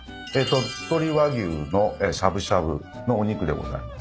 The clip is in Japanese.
鳥取和牛のしゃぶしゃぶのお肉でございます。